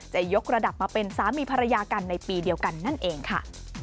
จะยกระดับมาเป็นสามีภรรยากันในปีเดียวกันนั่นเองค่ะ